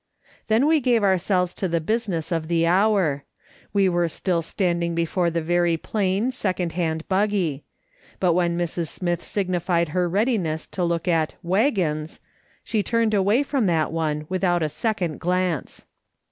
Then we gave our selves to the business of the hour. We were still standing before the very plain second hand buggy ; but when Mrs. Smith signified her readiness to look LVmPS OF CLAV. il7 at " waggons," she turned away from that one with out a second glance.